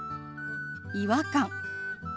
「違和感」。